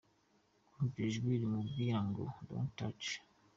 Yumva ijwi rimubwira ngo:” don’t touch”.